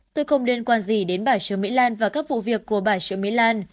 tôi không liên quan gì đến bà trường mỹ lan và các vụ việc của bà trường mỹ lan